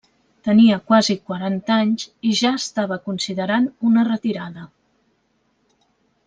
Tenia quasi quaranta anys, i ja estava considerant una retirada.